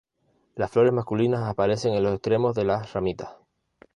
Las flores masculinas aparecen en los extremos de las ramitas.